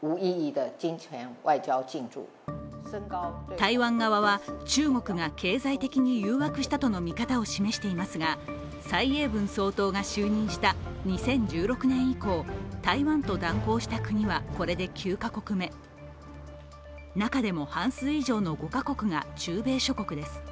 台湾側は中国が経済的に誘惑したとの見方を示していますが、蔡英文総統が就任した２０１６年以降、台湾と断交した国はこれで９か国目中でも半数以上の５か国が中米諸国です。